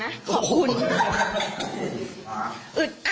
น้าสาวของน้าผู้ต้องหาเป็นยังไงไปดูนะครับ